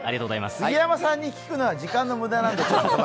杉山さんに聞くのは時間の無駄なんですよ。